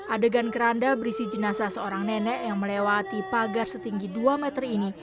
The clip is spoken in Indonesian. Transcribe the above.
adegan keranda berisi jenazah seorang nenek yang melewati pagar setinggi dua meter ini